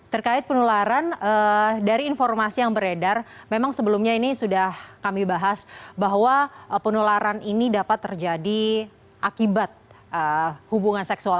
terkait penularan dari informasi yang beredar memang sebelumnya ini sudah kami bahas bahwa penularan ini dapat terjadi akibat hubungan seksual